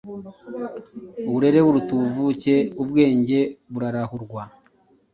Uburere buruta ubuvuke. Ubwenge burarahurwa.